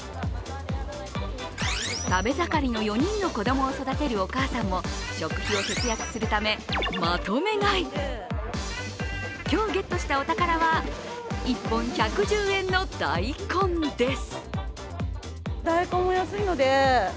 食べ盛りの４人の子供を育てるお母さんも食費を節約するためまとめ買いる今日ゲットしたお宝は１本１１０円の大根です。